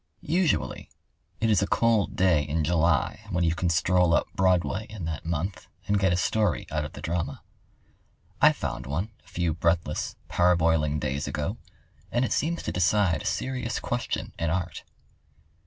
] Usually it is a cold day in July when you can stroll up Broadway in that month and get a story out of the drama. I found one a few breathless, parboiling days ago, and it seems to decide a serious question in art.